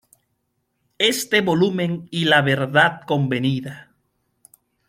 Este volumen y "La verdad convenida.